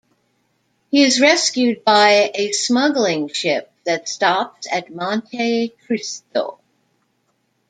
He is rescued by a smuggling ship that stops at Monte Cristo.